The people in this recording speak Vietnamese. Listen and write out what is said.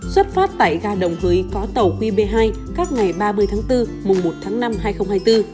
xuất phát tại ga đồng hới có tàu qb hai các ngày ba mươi tháng bốn mùng một tháng năm hai nghìn hai mươi bốn